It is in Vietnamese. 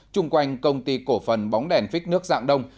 trung quanh công ty cổ phần bóng đèn phích nước dạng đông